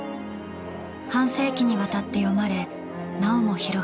半世紀にわたって読まれなおも広がり続ける『ゲン』。